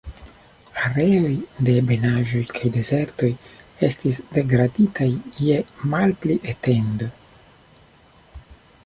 Areoj de ebenaĵoj kaj dezertoj estis degraditaj je malpli etendo.